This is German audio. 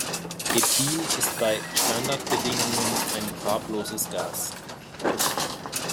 Ethin ist bei Standardbedingungen ein farbloses Gas.